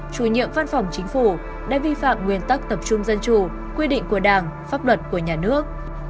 chủ nhiệm văn phòng chính phủ đã vi phạm nguyên tắc tập trung dân chủ quy định của đảng pháp luật của nhà nước